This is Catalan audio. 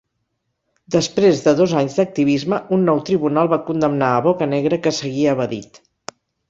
Després de dos anys d'activisme, un nou tribunal va condemnar a Bocanegra que seguia evadit.